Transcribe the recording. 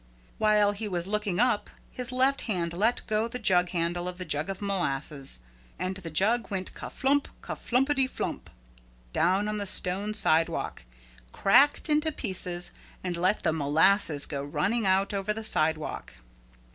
While he was looking up his left hand let go the jug handle of the jug of molasses. And the jug went ka flump, ka flumpety flump down on the stone sidewalk, cracked to pieces and let the molasses go running out over the sidewalk.